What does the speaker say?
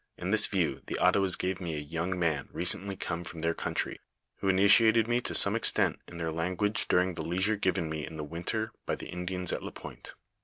In this view, the Ottawaa gave me a young man recently come from their country, who initiated me to some extent in their language during the leisure given me in the winter by the Indians at Lapointe.